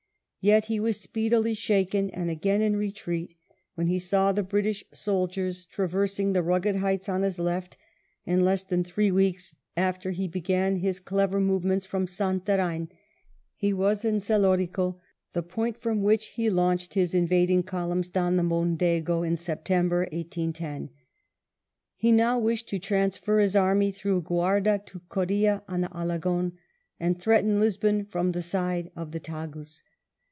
Yet he was speedily shaken and again in retreat when he saw the British soldiers traversing the rugged heights on his left, and less than three weeks after he began his clever movements from Santarem, he was in Celorico, the point from which he launched his invading columns down the Mondego in September, 1810. He now wished to transfer his army through Guarda to Coria on the Alagon, and threaten Lisbon from the side of the Tagus.